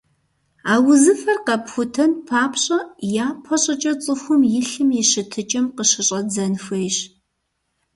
А узыфэр къэпхутэн папщӏэ, япэ щӏыкӏэ цӏыхум и лъым и щытыкӀэм къыщыщӀэдзэн хуейщ.